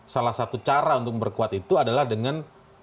salah satu cara untuk memperkuat itu adalah dengan